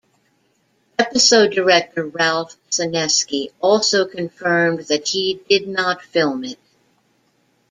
Episode director Ralph Senesky also confirmed that he did not film it.